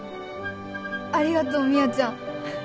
ありがとう美和ちゃん。